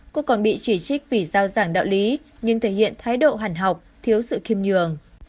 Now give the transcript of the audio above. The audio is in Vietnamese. cô còn bị chỉ trích vì giao giảng đạo lý nhưng thể hiện thái độ hẳn học thiếu sự khiêm nhường